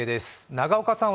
永岡さん